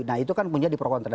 nah itu kan punya di pro kontranya